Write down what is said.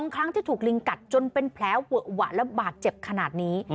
ครั้งที่ถูกลิงกัดจนเป็นแผลเวอะหวะและบาดเจ็บขนาดนี้